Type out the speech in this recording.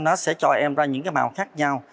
nó sẽ cho em ra những cái màu khác nhau